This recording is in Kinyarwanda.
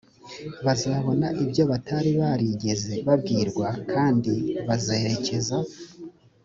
bazabona ibyo batari barigeze babwirwa kandi bazerekeza